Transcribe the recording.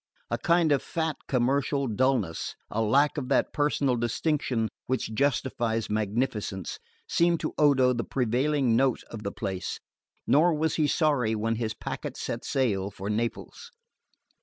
A kind of fat commercial dulness, a lack of that personal distinction which justifies magnificence, seemed to Odo the prevailing note of the place; nor was he sorry when his packet set sail for Naples.